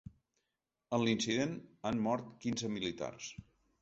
En l’incident han mort quinze militars.